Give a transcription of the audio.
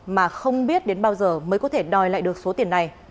mà không biết đến bao giờ mới có thể đòi lại được số tiền này